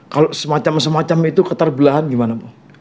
kalau semacam semacam itu keterbelahan gimana pak